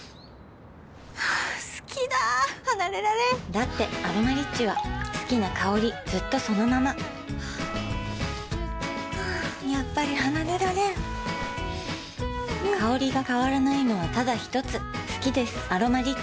好きだ離れられんだって「アロマリッチ」は好きな香りずっとそのままやっぱり離れられん香りが変わらないのはただひとつ好きです「アロマリッチ」